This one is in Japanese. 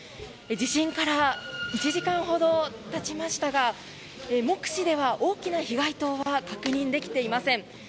地震から１時間ほど経ちましたが目視では大きな被害などは確認できていません。